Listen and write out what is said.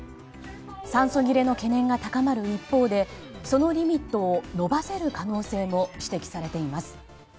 酸素切れの懸念が高まる一方でそのリミットを延ばせる可能性も指摘されています。